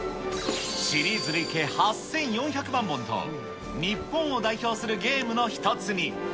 シリーズ累計８４００万本と、日本を代表するゲームの一つに。